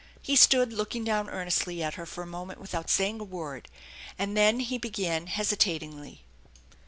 He stood looking down earnestly at her for a moment without saying a word, and then he began hesitatingly.